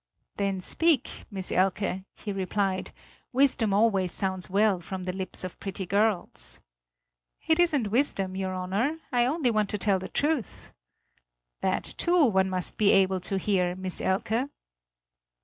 "Then speak, Miss Elke," he replied; "wisdom always sounds well from the lips of pretty girls." "It isn't wisdom, your Honor; I only want to tell the truth." "That too one must be able to hear, Miss Elke."